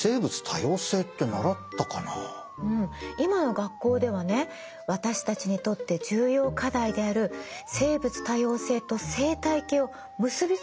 うん今の学校ではね私たちにとって重要課題である生物多様性と生態系を結び付けて学んでるんですって。